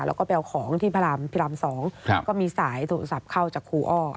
แล้วก็ไปเอาของที่พระรามพิราม๒ก็มีสายโทรศัพท์เข้าจากครูอ้อ